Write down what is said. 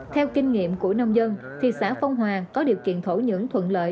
theo kinh nghiệm của nông dân thì xã phong hòa có điều kiện thổ nhưỡng thuận lợi